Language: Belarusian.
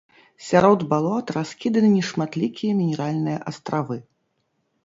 Сярод балот раскіданы нешматлікія мінеральныя астравы.